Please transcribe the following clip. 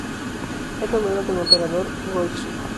Es nombrado como Emperador Go-Ichijō.